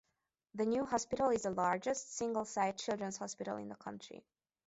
The new hospital is the largest, single-site, children's hospital in the country.